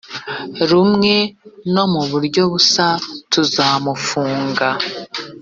rumwe no mu buryo busa tuzamufunga